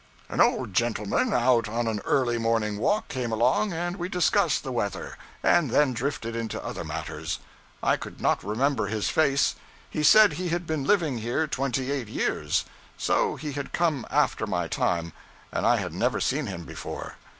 An old gentleman, out on an early morning walk, came along, and we discussed the weather, and then drifted into other matters. I could not remember his face. He said he had been living here twenty eight years. So he had come after my time, and I had never seen him before.